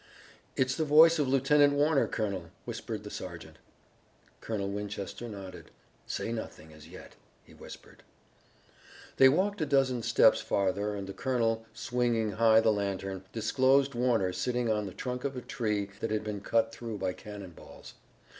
"It's the voice of Lieutenant Warner, colonel," whispered the sergeant. Colonel Winchester nodded. "Say nothing as yet," he whispered. They walked a dozen steps farther and the colonel, swinging high the lantern, disclosed Warner sitting on the trunk of a tree that had been cut through by cannon balls.